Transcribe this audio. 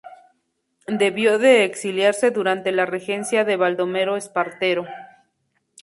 Debió de exiliarse durante la regencia de Baldomero Espartero.